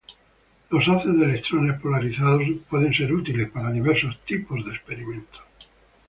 Los haces de electrones polarizados pueden ser útiles para diversos tipos de experimentos.